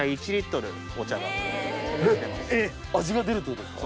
味が出るってことですか？